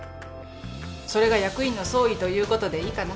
それが役員の総意ということでいいかな？